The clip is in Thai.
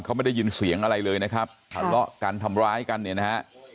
เขาไม่ได้ยินเสียงอะไรเลยนะครับทะเลาะกันทำร้ายกันเนี่ยนะฮะ